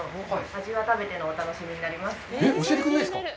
味は食べてのお楽しみになります。